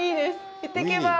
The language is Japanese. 行ってきまーす。